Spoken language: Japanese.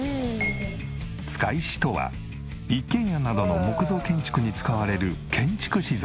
束石とは一軒家などの木造建築に使われる建築資材。